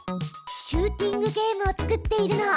シューティングゲームを作っているの。